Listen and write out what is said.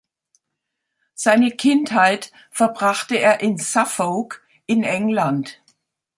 Seine Kindheit verbrachte er in Suffolk in England.